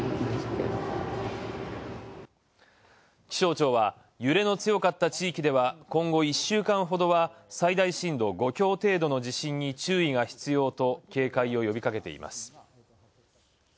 気象庁は「揺れの強かった地域では今後１週間ほどは最大震度５強程度の地震に注意が必要」と警戒を呼びかけています。